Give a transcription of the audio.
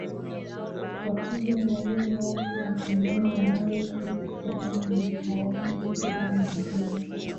Kufukuza raia wote wa kigeni wanaoishi Kenya na hawana kazi maalum